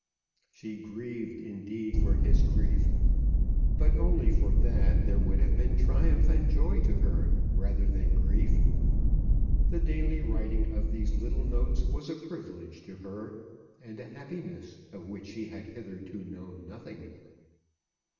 She grieved indeed for his grief; but, only for that, there would have been triumph and joy to her rather than grief. The daily writing of these little notes was a privilege to her and a happiness, of which she had hitherto known nothing.